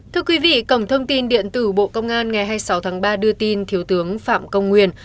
thưa quý vị cổng thông tin điện tử bộ công an ngày hai mươi sáu tháng ba đưa tin thiếu tướng phạm công nguyên